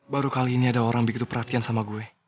baru kali ini ada orang begitu perhatian sama gue